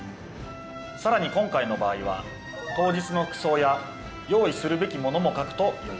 さらに今回の場合は当日の服装や用意するべきものも書くとよいでしょう。